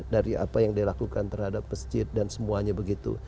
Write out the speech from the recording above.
dari apa yang dilakukan terhadap masjid dan semuanya begitu